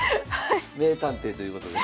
名探偵ということで。